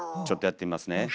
ちょっとやってみますね。